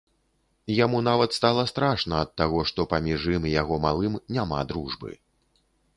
Яму нават стала страшна ад таго, што паміж ім і яго малым няма дружбы.